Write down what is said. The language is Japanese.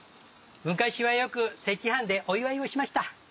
昔はよく赤飯でお祝いをしました。